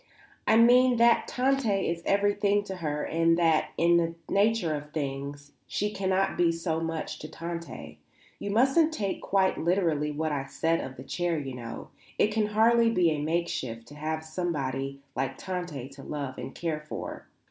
"I mean that Tante is everything to her and that, in the nature of things, she cannot be so much to Tante. You mustn't take quite literally what I said of the chair, you know. It can hardly be a makeshift to have somebody like Tante to love and care for.